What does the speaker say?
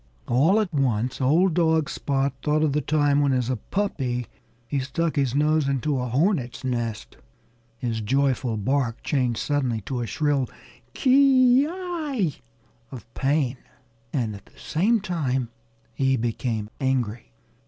All at once old dog Spot thought of the time when, as a puppy, he stuck his nose into a hornet's nest. His joyful bark changed suddenly to a shrill ki yi of pain. And at the same time he became angry.